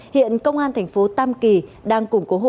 hiện công an tp tam kỳ đang củng cố hỗn hợp